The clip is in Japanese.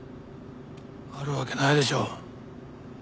あるわけないでしょう。